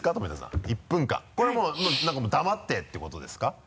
これはもう何か黙ってってことですか？